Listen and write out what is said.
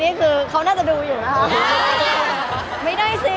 มันเป็นเรื่องน่ารักที่เวลาเจอกันเราต้องแซวอะไรอย่างเงี้ย